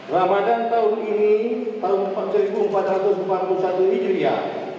ramadan tahun ini tahun seribu empat ratus empat puluh satu hijriah